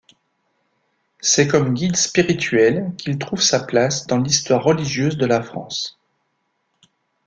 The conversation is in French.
C'est comme guide spirituel qu'il trouve sa place dans l'histoire religieuse de la France.